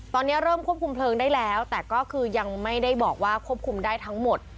ตอนนี้เริ่มควบคุมเพลิงได้แล้วแต่ก็คือยังไม่ได้บอกว่าควบคุมได้ทั้งหมด